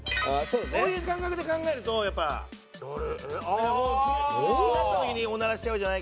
そういう感覚で考えるとやっぱなんかこう苦しくなった時にオナラしちゃうじゃないけど。